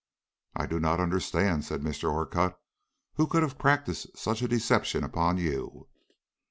"I do not understand," said Mr. Orcutt. "Who could have practised such deception upon you?"